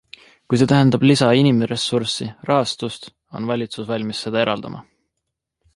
Kui see tähendab lisa inimressurssi, rahastust, on valitsus valmis seda eraldama.